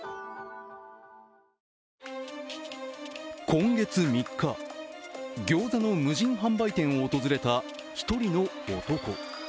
今月３日、ギョーザの無人販売店を訪れた１人の男。